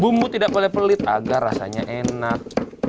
bumbu tidak boleh pelit agar rasanya enak